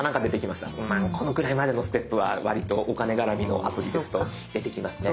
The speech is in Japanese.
まあこのくらいまでのステップはわりとお金絡みのアプリですと出てきますね。